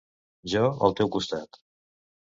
Jo, al teu costat.